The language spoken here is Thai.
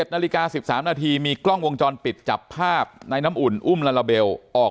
นาฬิกา๑๓นาทีมีกล้องวงจรปิดจับภาพในน้ำอุ่นอุ้มลาลาเบลออก